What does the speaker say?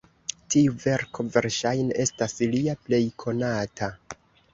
Tiu verko verŝajne estas lia plej konata.